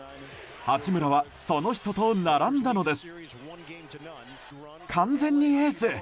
八村は、その人と並んだのです。